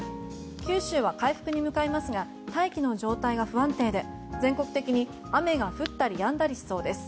九州は回復に向かいますが大気の状態が不安定で全国的に、雨が降ったりやんだりしそうです。